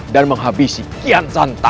dan menghabisi kian santa